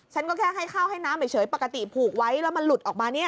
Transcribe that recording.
ฉันก็แค่ให้ข้าวให้น้ำเฉยปกติผูกไว้แล้วมันหลุดออกมาเนี่ย